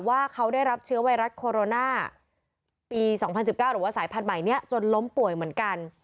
ว่าเขาได้รับเชื้อไวรัสโคโรนาปี๒๐๑๙หรือว่าสายพันธุ์ใหม่นี้จนล้มป่วยเหมือนกัน